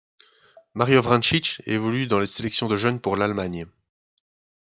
Mario Vrančić évolue dans les sélections de jeunes pour l'Allemagne.